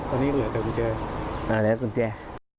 เอาเดี๋ยวังกุญแจ